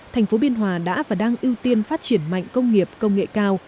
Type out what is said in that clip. thành phố biên hòa đã và đang ưu tiên phát triển mạnh công nghiệp công nghệ cao